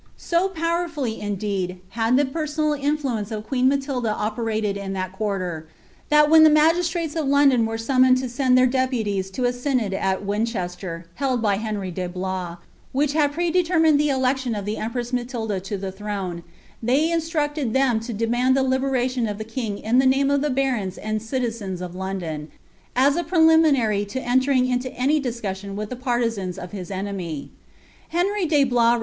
So powcifaWy, in* deed, had tiie personal iiiHuence of queen Matdda operated in thni quulrr, tbat when ihe msgistrales of London were sniiimoned to send iheir de puties to a synod al Winchester, held by Henry de BIuie, wliieh had ptedeleryiined the election of the empress Matilda to the ilin^ne, ihey lusirucU'd them to demand the liberation of the king in the name of ihe burona and citizens of Ixindon, as a preliminary to entering into anr discussion nilb the paniGuns of his enemy. Henry ile Bloia repliM.